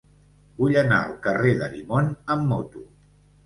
Vull anar al carrer d'Arimon amb moto.